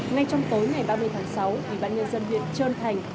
ngay trong tối ngày ba mươi tháng sáu bản nhân dân huyện trơn thành